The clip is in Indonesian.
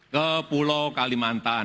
ke pulau kalimantan